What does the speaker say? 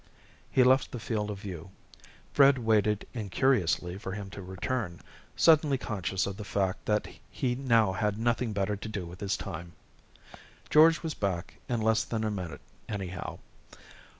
He left the field of view. Fred waited incuriously for him to return, suddenly conscious of the fact that he now had nothing better to do with his time. George was back in less than a minute, anyhow.